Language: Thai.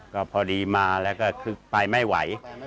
ก็พอดีมาแล้วก็คือไปไม่ไหว